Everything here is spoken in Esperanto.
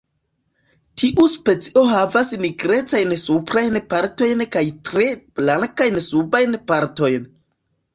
Tiu specio havas nigrecajn suprajn partojn kaj tre blankajn subajn partojn.